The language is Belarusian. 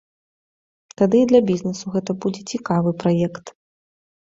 Тады і для бізнесу гэта будзе цікавы праект.